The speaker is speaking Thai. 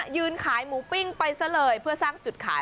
ยืนขายหมูปิ้งไปซะเลยเพื่อสร้างจุดขาย